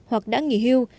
hoặc đã nghỉ hưu